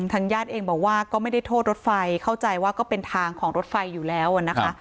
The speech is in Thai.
ทางญาติเองบอกว่าก็ไม่ได้โทษรถไฟเข้าใจว่าก็เป็นทางของรถไฟอยู่แล้วนะคะ